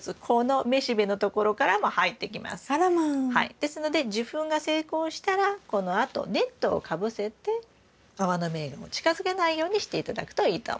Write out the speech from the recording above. ですので受粉が成功したらこのあとネットをかぶせてアワノメイガも近づけないようにして頂くといいと思います。